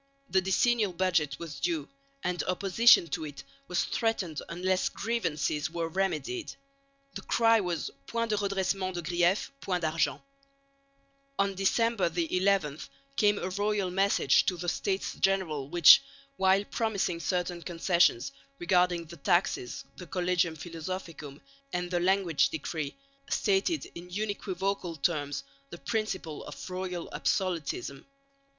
The decennial budget was due, and opposition to it was threatened unless grievances were remedied the cry was "point de redressements de griefs, point d'argent." On December 11 came a royal message to the States General which, while promising certain concessions regarding the taxes, the Collegium Philosophicum and the language decree, stated in unequivocal terms the principle of royal absolutism.